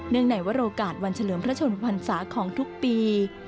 เนื่องไหนว่ารโอกาสวันเฉลิมพระชนพันศาของทุกปี